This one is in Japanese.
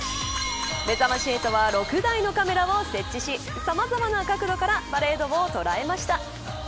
めざまし８は６台のカメラを設置しさまざまな角度からパレードを捉えました。